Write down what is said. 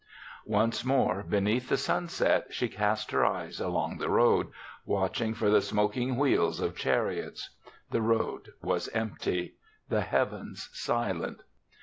Once more beneath the sunset she cast her eyes along the road, watch ing for the smoking wheels of char iots. The road was empty; the heav ens silent.